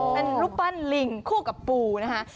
เป็นรูปปั้นลิงคู่กับปูนะคะ